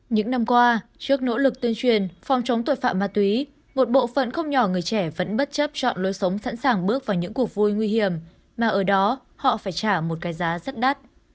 những năm qua trước nỗ lực tuyên truyền phòng chống tội phạm ma túy một bộ phận không nhỏ người trẻ vẫn bất chấp chọn lối sống sẵn sàng bước vào những cuộc vui nguy hiểm mà ở đó họ phải trả một cái giá rất đắt